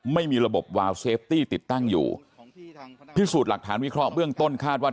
ไม่มีระบบวาวเซฟตี้ติดตั้งอยู่พิสูจน์หลักฐานวิเคราะห์เบื้องต้นคาดว่า